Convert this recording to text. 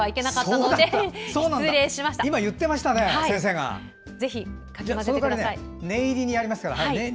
その分、念入りにやりますから。